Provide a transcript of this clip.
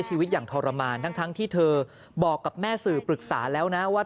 ชีวิตอย่างทรมานทั้งที่เธอบอกกับแม่สื่อปรึกษาแล้วนะว่า